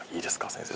先生。